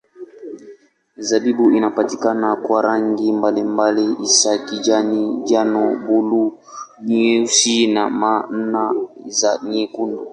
Zabibu hupatikana kwa rangi mbalimbali hasa kijani, njano, buluu, nyeusi na namna za nyekundu.